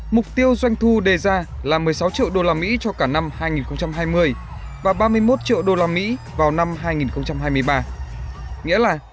mục tiêu doanh thu đề ra là một mươi sáu triệu usd cho cả năm hai nghìn hai mươi và ba mươi một triệu usd vào năm hai nghìn hai mươi ba nghĩa là